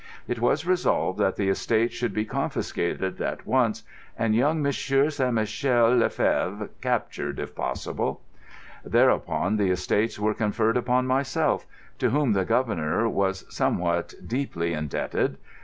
It was resolved that the estates should be confiscated at once, and young Monsieur St. Michel le Fevre captured, if possible. Thereupon the estates were conferred upon myself, to whom the Governor was somewhat deeply indebted.